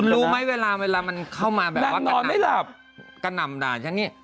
คุณรู้ไหมเวลามันเข้ามาแบบว่ากะนำกะนำน่ะใช่ไหม